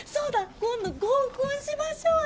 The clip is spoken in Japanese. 今度合コンしましょうよ！